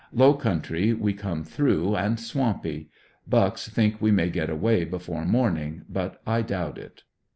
Lov^ country we come through, and swampy. Bucks think we may get away before morning, but I donbt it.